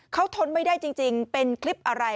เขาทนไม่ได้จริงเป็นคลิปอะไร